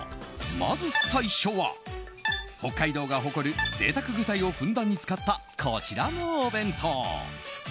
まず最初は北海道が誇る贅沢具材をふんだんに使ったこちらのお弁当。